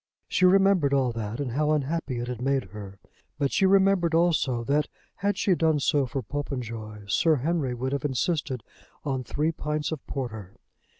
She remembered all that, and how unhappy it had made her; but she remembered also that, had she done so for Popenjoy, Sir Henry would have insisted on three pints of porter.